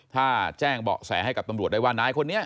ถ้าแจ้งเบาะแสให้กับตำรวจได้ว่านายคนนี้